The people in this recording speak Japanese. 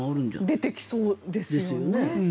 出てきそうですよね。